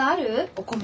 お米。